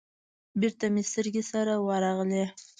بېرته مې سترگې سره ورغلې.